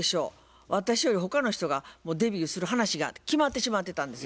私より他の人がもうデビューする話が決まってしまってたんです。